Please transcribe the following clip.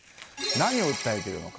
何を訴えているのか。